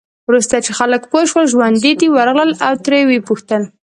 وروسته چې خلک پوه شول ژوندي دی، ورغلل او ترې یې وپوښتل.